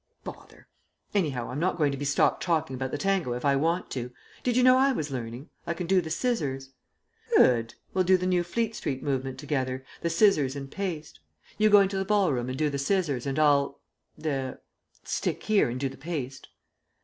"Bother! Anyhow, I'm not going to be stopped talking about the tango if I want to. Did you know I was learning? I can do the scissors." "Good. We'll do the new Fleet Street movement together, the scissors and paste. You go into the ball room and do the scissors, and I'll er stick here and do the paste."